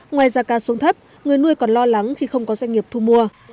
ngoài giá ca xuống thấp người nuôi còn lo lắng khi không có doanh nghiệp thu mua